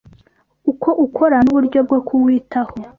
uko ukora n’uburyo bwo kuwitaho.